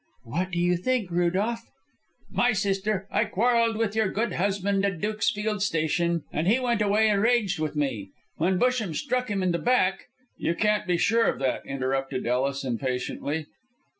"What do you think, Rudolph?" "My sister, I quarrelled with your good husband at the Dukesfield Station, and he went away enraged with me. When Busham struck him in the back " "You can't be sure of that," interrupted Ellis, impatiently.